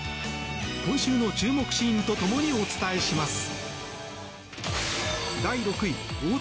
今週の注目シーンとともにお伝えします。